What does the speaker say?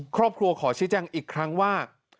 ครอบครัวขอชิดแจ้งอีกครั้งว่า